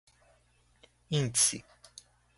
índice